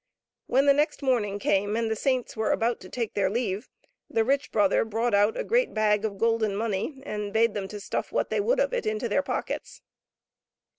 When the next morning came and the saints were about to take their leave, the rich brother brought out a great bag of golden money, and bade them to stuff what they would of it into their pockets.